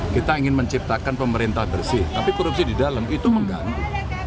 kita ingin menciptakan pemerintah bersih tapi korupsi di dalam itu mengganggu